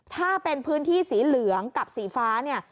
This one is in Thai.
ถ้าเป็นพื้นที่สีเหลืองกับสีฟ้าเนี่ย